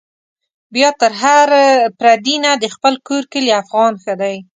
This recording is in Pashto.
بيا تر هر پردي نه، د خپل کور کلي افغان ښه دی